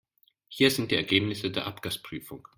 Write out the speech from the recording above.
Hier sind die Ergebnisse der Abgasprüfung.